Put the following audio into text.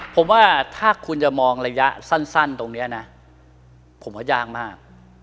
ผมว่าถ้าคุณจะมองระยะสั้นตรงนี้นะผมว่ายากมาก